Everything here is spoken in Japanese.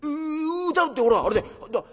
「歌うってほらあれだよ